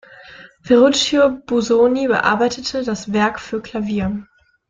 Ferruccio Busoni bearbeitete das Werk für Klavier.